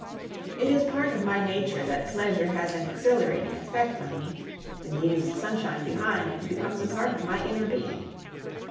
It is part of my nature that pleasure has an exhilarating effect on me; it leaves sunshine behind, and becomes a part of my inner being.